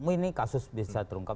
ini kasus bisa terungkap